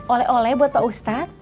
oleh oleh buat pak ustadz